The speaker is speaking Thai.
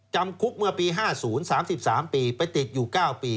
จำคุกเมื่อปี๕๐๓๓ปีไปติดอยู่๙ปี